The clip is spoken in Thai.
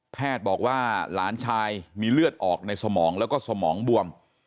บอกว่าหลานชายมีเลือดออกในสมองแล้วก็สมองบวม